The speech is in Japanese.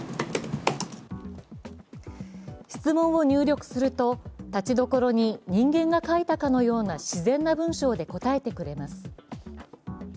質問を入力すると、立ちどころに人間が書いたかのような自然な文章で答えてくれます。